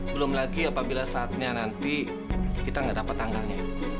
belum lagi apabila saatnya nanti kita nggak dapat tanggalnya